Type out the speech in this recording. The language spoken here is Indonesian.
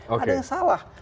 ada yang salah